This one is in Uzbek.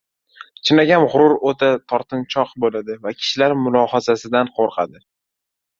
Chinakam g‘urur o‘ta tortinchoq bo‘ladi va kishilar mulohazasidan qo‘rqadi.